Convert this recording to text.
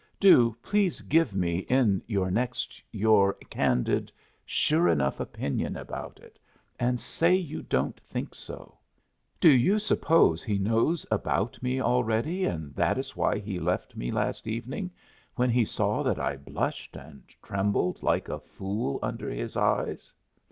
Do, please give me in your next your candid, sure enough opinion about it, and say you don't think so. Do you suppose He knows about me already, and that that is why He left me last evening when He saw that I blushed and trembled like a fool under His eyes?